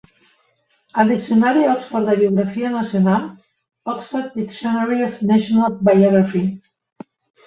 El Diccionari Oxford de Biografia Nacional (Oxford Dictionary of National Biography).